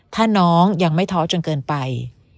ถ้าน้องยังไม่ท้อจนเกินไป